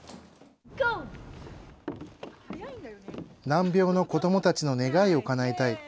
難病の子どもたちの願いをかなえたい。